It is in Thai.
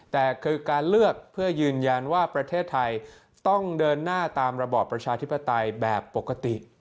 แต่คือการเลือกเพื่อยืนยันว่าประเทศไทยต้องเดินหน้าตามระบอบประชาธิปไตยแบบปกติ